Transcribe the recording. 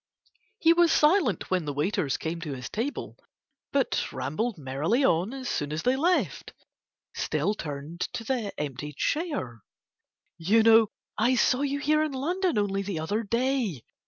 He was silent when the waiters came to his table, but rambled merrily on as soon as they left, still turned to the empty chair. "You know I saw you here in London only the other day.